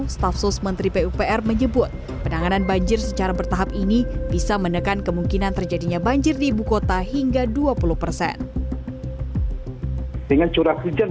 staf sus menteri pupr menyebut penanganan banjir secara bertahap ini bisa menekan kemungkinan terjadinya banjir di ibu kota hingga dua puluh persen